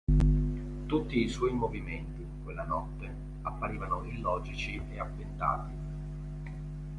Tutti i suoi movimenti, quella notte, apparivano illogici e avventati.